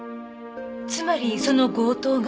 つまりその強盗が？